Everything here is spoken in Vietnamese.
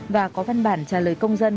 và có văn bản trả lời công dân